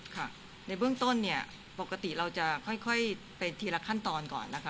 ค่ะในเบื้องต้นเนี่ยปกติเราจะค่อยไปทีละขั้นตอนก่อนนะคะ